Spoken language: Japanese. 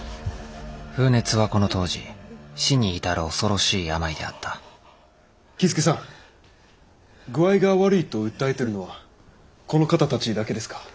風熱はこの当時死に至る恐ろしい病であった僖助さん具合が悪いと訴えてるのはこの方たちだけですか？